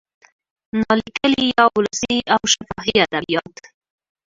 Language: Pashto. نا لیکلي یا ولسي او شفاهي ادبیات